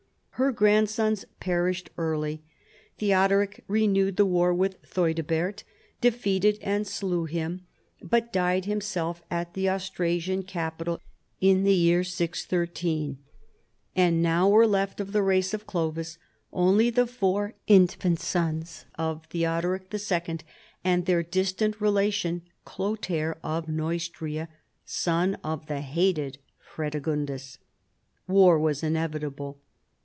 Her grandsons perished early. Theodoric renewed the war with Theudebert, defeated and slew him, but died himself at the Austrasian capital in the year 613. And now were left of the race of Clovis only the four infant sons of Theodoric II. and their distant relation, Chlothair of Neustria, son of the hated Fredegundis. "War was inevitable.